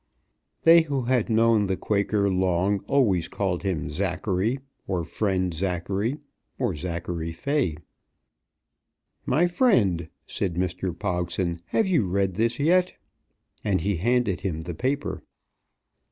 They who had known the Quaker long always called him Zachary, or Friend Zachary, or Zachary Fay. "My friend," said Mr. Pogson, "have you read this yet?" and he handed him the paper.